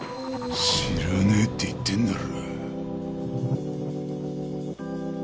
知らねぇって言ってんだろ。